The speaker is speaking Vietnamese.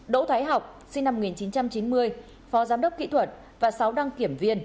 đỗ thái học sinh năm một nghìn chín trăm chín mươi phó giám đốc kỹ thuật và sáu đăng kiểm viên